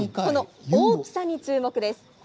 大きさに注目です。